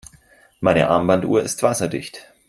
Meine Armbanduhr ist wasserdicht.